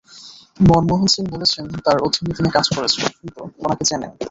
মনমোহন সিং বলেছিলেন, তাঁর অধীনে তিনি কাজ করেছেন, তিনি ওনাকে চেনেন।